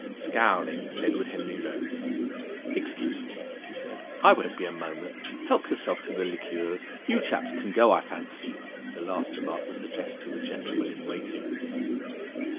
Scowling, Edward Henry rose. "Excuse me," he said. "I won't be a moment. Help yourselves to the liqueurs. You chaps can go, I fancy." The last remark was addressed to the gentlemen in waiting.